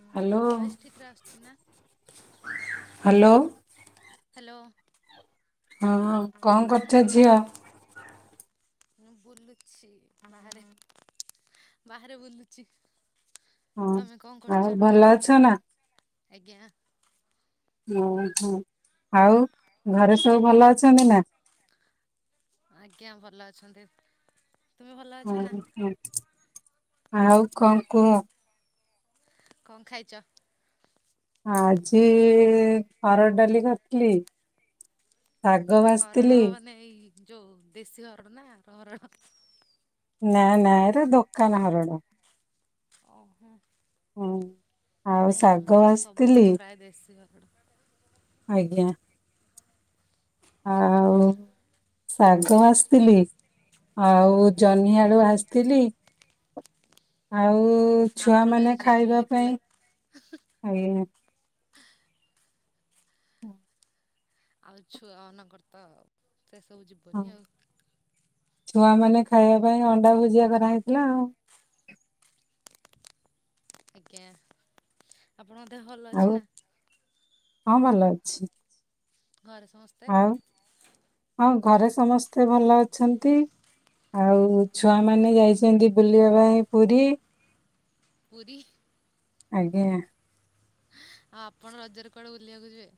Hello voice ଠିକରେ ଆସୁଛି ନା? ହ୍ୟାଲୋ ହ୍ୟାଲୋ ହଁ ହଁ କଣ କରୁଛ ଝିଅ? ମୁଁ ବୁଲୁଛି ବାହାରେ, ବାହାରେ ବୁଲୁଚି। ହଁ ତମେ କଣ ଆଉ କରୁଛ? ଭଲ ଅଛ ନା ଆଜ୍ଞା। ଓହୋ ଆଉ ଘରେ ସବୁ ଭଲ ଅଛନ୍ତି ନା? ଆଜ୍ଞା ଭଲ ଅଛନ୍ତି। ତୁମେ ଭଲ ଅଛ ନା ଓହୋ ଆଉ କଣ କୁହ? କଣ ଖାଇଛ? ଆଜି ହରଡ଼ ଡାଲି କରିଥିଲି। ଶାଗ ଭାସିଥିଲି। ନେଇ ଯୋଉ ଦେଶୀ ହରଡ ନା [unintelligible] ହରଡ? ନା ନା ଏଇଟା ଦୋକାନ ହରଡ। ଓହୋ। ହଉ। ନାଇଁ ଆମର ସବୁବେଳେ ପ୍ରାୟ ଦେଶୀ ହରଡ। ଆଜ୍ଞା। ଆଉ ଆଜ୍ଞା ଶାଗ ଭାଜିଥିଲି। ଆଉ ଜହ୍ନି ଆଳୁ ଭାଜିଥିଲି। ଆଉ ଛୁଆ ଆମର ବି ମାନେ ଆଜି ଜହ୍ନି ଖାଇବା ହେଇଥିଲା ପାଇଁ ଆଜ୍ଞା। [unintelligible] ଆଉ ଛୁଆ ମାନଙ୍କର ତ ସେ ସବୁ ହଁ ଯିବନି ଆଉ। ଛୁଆ ମାନେ ଖାଇବା ପାଇଁ ଅଣ୍ଡା ଭୁଜିଆ କରାହେଇଥିଲା ଆଉ। ଆଜ୍ଞା ଆପଣଙ୍କ ଦେହ ଭଲ ଅଛି ଆଉ ନା? ହଁ ଭଲ ଅଛି। ଘରେ ସମସ୍ତେ? ଆଉ ହଁ ଘରେ ସମସ୍ତେ ଭଲ ଅଛନ୍ତି। ଆଉ ଛୁଆମାନେ ଯାଇଛନ୍ତି ବୁଲିବା ପାଇଁ ପୁରୀ। ପୁରୀ ଆଜ୍ଞା ଆଉ ଆପଣ ରଜରେ କୁଆଡେ ବୁଲିବାକୁ ଯିବେ?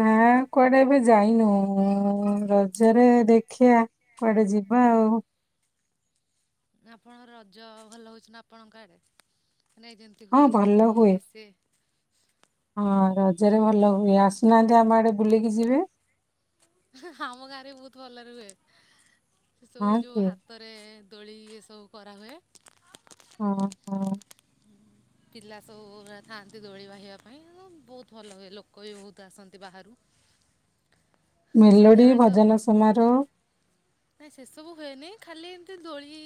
ନା କୁଆଡ଼େ ଏବେ ଯାଇନୁ ରଜରେ ଦେଖିଆ କୁଆଡ଼େ ଯିବା ଆଉ। ଆପଣଙ୍କର ରଜ ଭଲ ହେଉଛି ନା ଆପଣଙ୍କ ଆଡ଼େ ନାଇଁ ଯେମିତି ହଁ ହୁଏ ଭଲ ଦୋଳି ହୁଏ। ଇଏ ସିଏ ହଁ ରଜରେ ଭଲ ହୁଏ ଆସୁନାହାନ୍ତି ଆମ ଆଡ଼େ ବୁଲିକି ଯିବେ? ହା ହା ଆମ ଗାଁରେ ବି ବହୁତ ଭଲରେ ରେ ହୁଏ ସେ ସବୁ ହଁ କି ଯୋଉ ହାତ ତରେ ଦୋଳି ଏସବୁ କରାହୁଏ। ଓହୋ! ପିଲା ସବୁ ପୁରା ଥାଆନ୍ତି ଦୋଳି ବାହିବା ପାଇଁ ବହୁତ ଭଲ ହୁଏ ଲୋକ ବି ବହୁତ ଆସନ୍ତି ବାହାରୁ। ମେଲୋଡ଼ି ସନ୍ଧ୍ୟାବେଳେ ତ ଭଜନ ସମାରୋହ ନାଇଁ ସେସବୁ ହୁଏନି ଖାଲି ଏମତି ଦୋଳି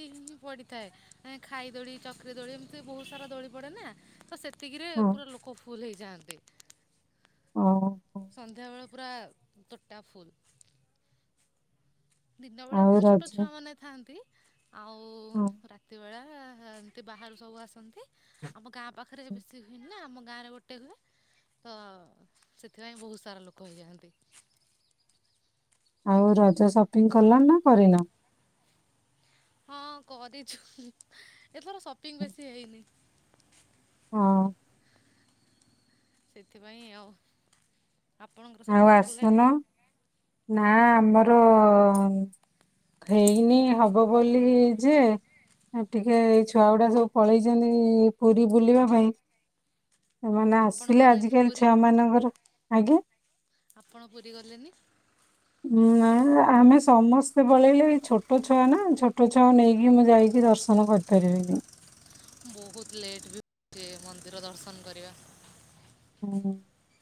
ପଡିଥାଏ ଖାଇ ଦୋଳି ଚକ୍ରୀ ଦୋଳି ଏମିତି ବହୁତ ସାରା ଦୋଳି ପଡ଼େ ନା ତ ସେଥ୍ ଏତିକିରେ ହଁ ପୁରା ଲୋକ ଫୁଲ୍ ହେଇଯାଆନ୍ତି। ଓ! ସନ୍ଧ୍ୟାବେଳେ ପୁରା ତୋଟା ଫୁଲ୍। ଦିନ ବେଳେ ଆଉ ତ ଛୋଟ ରଜ ଛୁଆ ହଁ। ମାନେ ଥାଆନ୍ତି ଆଉ ହଁ। ରାତ୍ ରାତିବେଳା ଏମତି ବାହାରୁ ସବୁ ଆସନ୍ତି। ଆମ ଗାଁ ପାଖରେ ବେଶି ହୁଏନି ନା ଆମ ଗାଁରେ ଗୋଟେ ହୁଏ। ତ ସେଥିପାଇଁ ବହୁତ ସାରା ଲୋକ ହେଇଯାଆନ୍ତି। ଆଉ ରଜ ସପିଙ୍ଗ କଲଣି ନା କରିନ? ହଁ କରିଛୁ ଏଥର ସପିଙ୍ଗ ବେଶୀ ହେଇନି। ହଁ। ସେଥିପାଇଁ ଆଉ ଆପଣଙ୍କର ଆଉ ସପିଙ୍ଗ ସରିଲାଣି? ଆସୁନ ନା ଆମର ହେଇନି ହବ ବୋଲି ଯେ ଟିକେ ଏଇ ଛୁଆ ଗୁଡା ସବୁ ପଳେଇଛନ୍ତି ପୁରୀ ବୁଲିବା ପାଇଁ। ସେମାନେ ଆପଣ ଆସିଲେ ଗଲେନି ଆଜିକାଲି ପୁରୀ ଛୁଆ ମାନଙ୍କର ଆଜ୍ଞା ଆପଣ ପୁରୀ ଗଲେନି? ନା ଆମେ ସମସ୍ତେ ପଳେଇଲେ ଛୋଟ ଛୁଆ ନା ଛୋଟ ଛୁଆଙ୍କୁ ନେଇକି ମୁଁ ଯାଇକି ଦର୍ଶ ନ କରିପାରିବିନି। ବହୁତ ଲେଟ୍ ବି ମନ୍ଦିର ଦର୍ଶନ କରିବା। ହୁଁ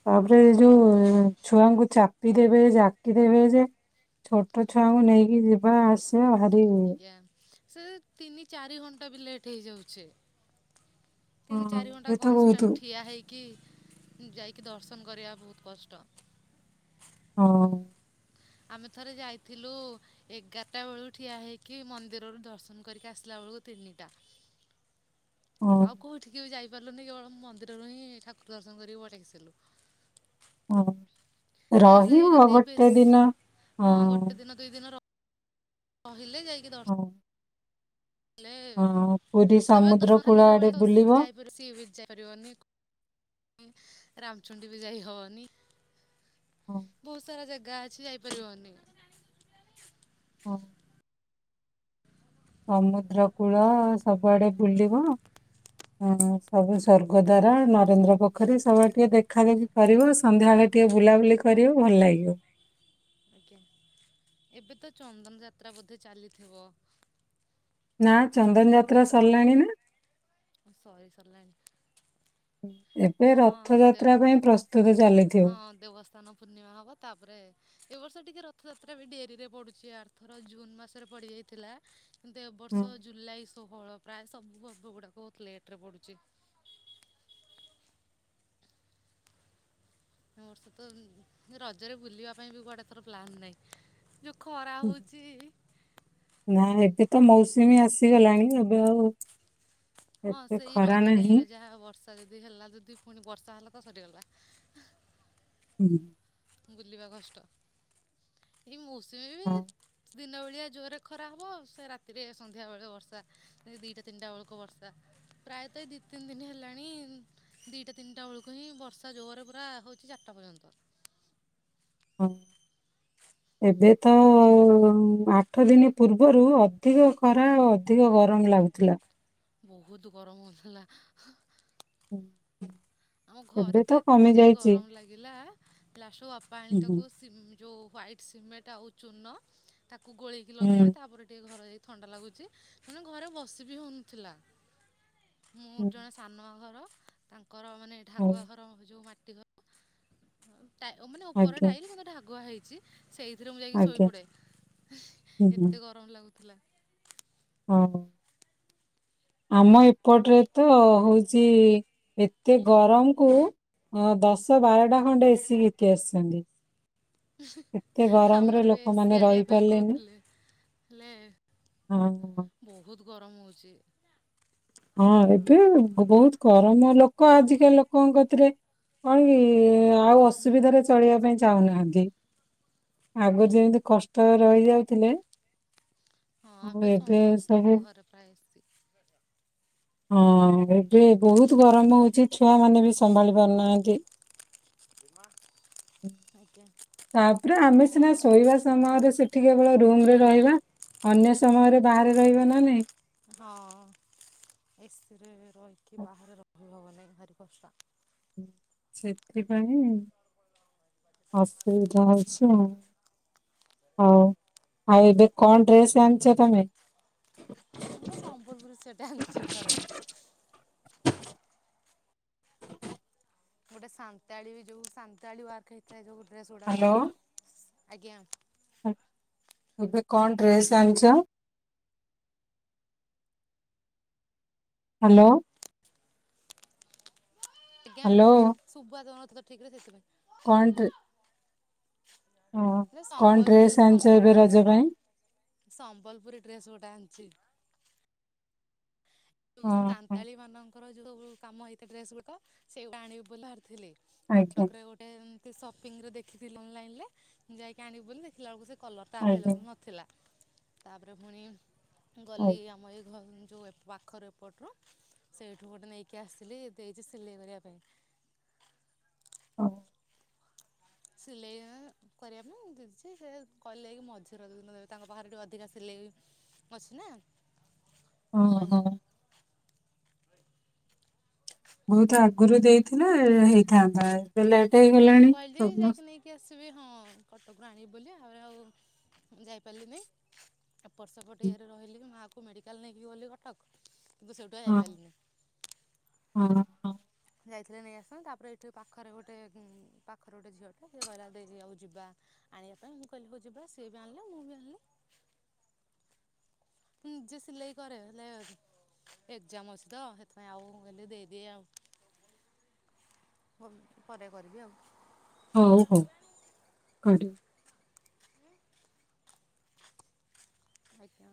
ତାପରେ ଏଇ ଯୋଉ ଛୁଆଙ୍କୁ ଚାପି ଦେବେ ଯାକି ଦେବେ ଯେ ଛୋଟ ଛୁଆଙ୍କୁ ନେଇକି ଯିବା ଆସ ସିବା ଭାରି ଆଜ୍ଞା ସେ ତିନି ଚାରି ଘଣ୍ଟା ବି ଲେଟ୍ ହେଇଯାଉଛେ। ତିନି ହଁ ଚାରି ଏବେ ଘଣ୍ଟା ତ ବହୁତ କନ୍ଷ୍ଟାନ୍ଟ ଠିଆ ହେଇକି ଯାଇକି ଦର୍ଶନ କରିବା ବହୁତ କଷ୍ଟ। ହଁ। ଆମେ ଥରେ ଯାଇଥିଲୁ ଏଗାରଟା ବେଳୁ ଠିଆ ହେଇକି ମନ୍ଦିରରୁ ଦର୍ଶନ କରିକି ଆସିଲା ବେଳକୁ ତିନିଟା। ହଁ ଆଉ କୋଉଠିକି ବି ଯାଇପାରିଲୁନି କେବଳ ମନ୍ଦିରରୁ ହିଁ ଠାକୁର ଦର୍ଶନ କରିକ ପଳେଇ ଆସିଲୁ। ହୁଁ ତ ସେ ରହିବ ଯଦି ବେଶ ଗୋଟେ ଦିନ ହଁ। ଗୋଟେ ଦିନ ଦୁଇ ଦିନ ର ରହିଲେ ଯାଇକି ଦର୍ସ୍ ହଁ। ହେଲେ ହଁ ପୁରୀ ତାପରେ ସମୁଦ୍ର କୂଳ [unintelligible] ଆଡେ ବୁଲିବ। ସି ବିଚ୍ ଯାଇପାରିବନି। ରାମଚଣ୍ଡୀ ବି ଯାଇ ହବନି ହଁ ବହୁତ୍ ସାରା ଜାଗା ଅ ସେ ଯାଇ ପାରିିବାନି [unintelligible] [inaudible] ସମୁଦ୍ର କୂଳ ସବୁଆଡେ ବୁଲିବ ହଁ ସବୁ ସ୍ବର୍ଗ ଦ୍ୱାର, ନରେନ୍ଦ୍ର ପୋଖରୀ ସବୁଆଡେ ଟିକେ ଦେଖା ଦେଖି କରିବ ସନ୍ଧ୍ୟାବେଳେ ଆଜ୍ଞା ଟିକେ ବୁଲାବୁଲି କରିବ ଭଲ ଲାଗିବ। ଆଜ୍ଞା ଏବେ ତ ଚନ୍ଦନ ଯାତ୍ରା ବୋଧେ ଚାଲିଥିବ। ନା ଚନ୍ଦନ ଯାତ୍ରା ସରିଲାଣି ନା। ସରି ସରିଲାଣି। ଏବେ ହଁ ରଥଯାତ୍ରା ପାଇଁ ପ୍ରସ୍ତୁତି ଚାଲିଥିବ। ଦେବସ୍ନାନ ପୂର୍ଣ୍ଣିମା ହବ ତାପରେ ଏ ବର୍ଷ ଟିକେ ରଥଯାତ୍ରା ବି ଡେରିରେ ପଡୁଚି ଆର ଥର ଜୁନ୍ ମାସରେ ପଡିଯାଇଥିଲା। କିନ୍ତୁ ଏ ହୁଁ ବର୍ଷ ଜୁଲାଇ ଷୋହଳ ପ୍ରାୟେ ସବୁ ପର୍ବ ଗୁଡାକ ବହୁତ ଲେଟ୍ ରେ ପଡୁଚି। ମୋର୍ ତ ରଜରେ ବୁଲିବା ପାଇଁ ବି କୁଆଡେ ଏଥର ପ୍ଲାନ୍ ନାହିଁ। ଯଉ ଖରା ହଉଚି। ନା ଏବେ ତ ମୌସୁମୀ ଆସିଗଲାଣି ଏବେ ଆଉ ହଁ ଏତେ ସେଇ ଖରା ରଜ ଟାଇମ୍ ନାହିଁ। ରେ ଯାହା ବର୍ଷା ଯଦି ହେଲା ଯଦି ପୁଣି ବର୍ଷା ହେଲା ତ ସରିଗଲା। [inaudible] ବୁଲିବା କଷ୍ଟ ଏଇ ମୌସୁମୀ ହଁ ଦିନ ବଳିଆ ଜୋର୍ ରେ ଖରା ହବ ସେ ରାତିରେ ସନ୍ଧ୍ୟା ବେଳେ ବର୍ଷା ସେ ଦିଟା ତିନିଟା ବେଳକୁ ବର୍ଷା। ପ୍ରାୟତଃ ଏଇ ଦି ତିନି ଦିନି ହେଲାଣି ଦିଇଟା ତିନିଟା ବଳକୁ ହିଁ ବର୍ଷା ଜୋର୍ ରେ ପୁରା ହଉଚି ଚାରିଟା ପର୍ଯ୍ୟନ୍ତ। [inaudible] ଏବେ ତ ଆଠ ଦିନି ପୂର୍ବରୁ ଅଧିକ ଖରା ଅ- ଅଧିକ ଗରମ୍ ଲାଗୁଥିଲା। ବହୁତୁ ଗରମ ହଉଥିଲା। [inaudible] ଆମ ଘରେ ଏବେ ତ କମି ଏତେ ଯାଇଛି ଗରମ୍ ଲାଗିଲା ଲାଷ୍ଟ୍ କୁ ବାପା ଆଣି ହୁଁ ହୁଁ ତାକୁ ସିମ୍ ଯଉ ହ୍ୱାଇଟ୍ ସିମେଣ୍ଟ୍ ଆଉ ଚୂନ ତାକୁ ଗୋଳେଇକି ହୁଁ, ଲଗେଇଲେ ତାପରେ ଟିକେ ଘର ଯାଇ ଥଣ୍ଡା ଲାଗୁଚି ମାନେ ଘରେ ବସି ବି ହଉନଥିଲା ମୁଁ ହୁଁ, ଜଣେ ସାନ ଘର ତାଙ୍କର ମାନେ ହଉ। ଢାଗୁଆ ଘର ଯଉ ମାଟି ଘ ଟା -ଉ-ମାନେ ଉପର ଆଜ୍ଞା ଟାଇଲି କିନ୍ତୁ ଢାଗୁଆ ହେଇଚି। ସେଇଥିରେ ମୁଁ ଯାଇକି ଆଜ୍ଞା ଶୋଇପଡେ ହୁଁ ଏତେ ଗରମ୍ ଲାଗୁଥିଲା। ହଁ-ହଁ। ଆମ ଏପଟ୍ ରେ ତ ହଉଚି ଏତେ ଗରମ୍ କୁ ହଁ ଦଶ ବାରଟା ଖଣ୍ଡେ ଏସି। [unintelligible] ଏତେ ଗରମ୍ ରେ ଆମର ବି ଏସିି ଲୋକମାନେ ଆଣିବା ପାଇଁ ରହିପାରିଲେନି। କହୁଥିଲେ। ହେଲେ ହଁ ହ। ବହୁତ୍ ଗରମ୍ ହଉଚି। ହଁ ଏବେ ବହୁତ୍ ଗରମ୍ ଲୋକ ଆଜିକାଲି ଲୋକଙ୍କ କତିରେ କଣ୍ କି ଆଉ ହୁଁ ଅସୁବିଧାରେ ଚଳିବା ପାଇଁ ଚାହୁଁନାହାନ୍ତି ଆଗୁରୁ ଯେମିତି କଷ୍ଟ ରହିଯାଉଥିଲେ ହଁ ଆଉ ଏବେ ସବୁ ସମସ୍ତଙ୍କ ଘରେ ପ୍ରାୟେ ଏସି। ହଁ ଏବେ ବହୁତ୍ ଗରମ ହଉଚି ଛୁଆ ମାନେ ବି ସମ୍ଭାଳି ପାରୁନାହାନ୍ତି। ଆଜ୍ଞା। ତାପରେ ଆମେ ସିନା ଶୋଇବା ସମୟରେ ସେ ସେଠି କେବଳ ରୁମରେ ରହିବା ଅନ୍ୟ ସମୟରେ ବାହାରେ ରହିବା ନା ନାଇଁ? ହଁ ଏସିରେ ରହିକି ବାହାରେ ରହି ହବ ନାଇଁ ଭାରି କଷା ଉଁ ସେଥିପାଇଁ ଅସୁବିଧା ହଉଛି ଆଉ। ହଉ ଆଉ ଏବେ କଣ ଡ୍ରେସ୍ ଆଣିଚ ତମେ? ମୁଁ ତ ସମ୍ବଲପୁରୀ ସେଟ୍ ଆଣିଚି ଏଥର। ଗୋଟେ ସାନ୍ତାଳୀ ଯୋଉ ସାନ୍ତାଳୀ ୱାର୍କ ହେଇଥାଏ ଯୋଉ ଡ୍ରେସ ଗୁଡାକ ହ୍ୟାଲୋ ଆଜ୍ଞା। ଏବେ କଣ ଡ୍ରେସ୍ ଆଣିଚ? ହାଲୋ। ଆଜ୍ଞାଗ୍ ହ୍ୟାଲୋ ସୁୁବା ଯାଉନଥିଲା ଠିକ ରେ ସେଥିପାଇଁ କଣ [unintelligible] ହଁ ହେଲେ କଣ ସମ୍ବଲପୁରୀ ଡ୍ରେସ୍ ସମ୍ ଆଣିଚ ଏବେ ରଜ ପାଇଁ? ସମ୍ବଲପୁରୀ ଡ୍ରେସ୍ ଗୋଟେ ଆଣିଚି। ଯୋଉ ହଁ ହଁ ସାନ୍ତାଳୀ ମାନଙ୍କର ଯୋଉ ସବୁ କାମ ହେଇଥାଏ ଡ୍ରେସ ଗୁଡିକ ସେଟା ଆଣିବି ବୋଲି ବାହାରିଥିଲି। ଆଜ୍ଞା କଟକ ରେ ଗୋଟେ ଏମତି ସପିଙ୍ଗ ରେ ଦେଖିଥିଲି ଅନଲାଇନ୍ ଲେ ଯାଇକି ଆଣିବି ବୋଲି ଦେଖିଲା ବେଳକୁ ସେ କଲର୍ ଟା ଆଜ୍ଞା ଆଭେଲେବୁଲ୍ ନଥିଲା ତାପରେ ପୁଣି ଗଲି ଆଜ୍ଞା ଆମ ଏଇ ଘ ଯୋଉ ପାଖର ଏପଟ ରୁ ସେଇଠୁ ଗୋଟେ ନେଇକି ଆସିଥିଲି ଦେଇଚି ସିଲେଇ କରିବା ପାଇଁ। ହଁ। ସିଲେଇ ଆ କରିବା ପାଇଁ ମୁଁ ଦେଇଛି ସେ କଇଲେ କି ମଝିରେ [inaudible] ତାଙ୍କ ପାଖରେ ଟିକେ ଅଧିକା ସିଲେଇ ଅଛି ନା। ଅଁ ସେଥିପାଇଁ ହଁ। ବହୁତ ଆଗରୁ ଦେଇଥିଲେ ହେଇଥାନ୍ତା ଏବେ ଲେଟ ମୁଁ ହେଇଗଲାଣି କହିଲି ସମସ୍ତ ଯାଇକି ନେଇକି ଆସିବି ହଁ କଟକରୁ ଆଣିବି ବୋଲି ଆଉ ଆଉ ଯାଇପାରିଲି ନାଇଁ। ଏପଟ ସେପଟ ଇଏରେ ରହିଲି ମାଆକୁ ମେଡ଼ିକାଲ ନେଇକି ଗଲି କଟକ କିନ୍ତୁ ସେଇଠୁ ଆଉ ହଁ ଯାଇପାରିଲିନି। ହଁ। ହଁ ଯାଇଥିଲେ ନେଇ ଆସିଥାନ୍ତି ତାପରେ ଏଠି ପାଖରେ ଗୋଟେ ଉଁ ପାଖରେ ଗୋଟେ ଝିଅ ଟେ ସିଏ କହିଲା ଦେଇ ଆଉ ଯିବା। ଆଣିଆ ପାଇଁ ମୁଁ କହିଲି ହଉ ଯିବା ସିଏ ବି ଆଣିଲେ ମୁଁ ବି ଆଣିଲି। ମୁଁ ନିଜେ ସିଲେଇ କରେ ହେଲେ। [unintelligible] ଏକ୍ଜାମ ଅଛି ତ ସେଥିପାଇଁ ଆଉ ମୁଁ କହିଲି ଦେଇଦିଏ ଆଉ। ହଉ ପରେ କରିବି ଆଉ। ହଉ ହଉ କାଡି [unintelligible]